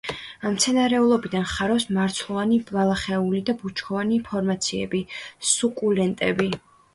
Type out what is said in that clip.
მცენარეულობიდან ხარობს მარცვლოვანი ბალახეული და ბუჩქოვანი ფორმაციები, სუკულენტები.